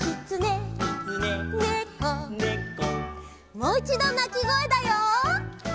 もういちどなきごえだよ。